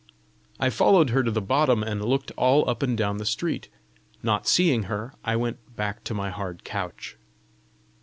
I followed her to the bottom, and looked all up and down the street. Not seeing her, I went back to my hard couch.